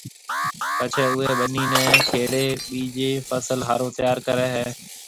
پڇيَ اُوئي ٻنِي نَي کيڙيَ ٻِيجي فصل هارون تيار ڪريَ هيَ۔